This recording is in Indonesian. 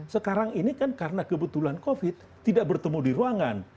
sekarang ini kan karena kebetulan covid tidak bertemu di ruangan